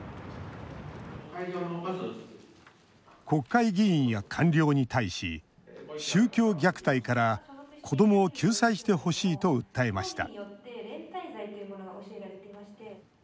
国会議員や官僚に対し宗教虐待から子どもを救済してほしいと訴えました